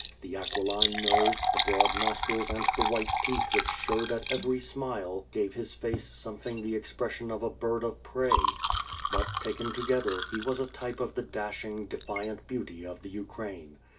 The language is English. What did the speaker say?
The aquiline nose, the broad nostrils and the white teeth which showed at every smile, gave his face something the expression of a bird of prey; but taken altogether he was a type of the dashing, de fiant beauty of the Ukraine.